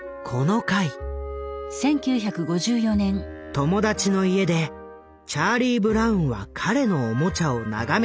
友達の家でチャーリー・ブラウンは彼のおもちゃを眺めている。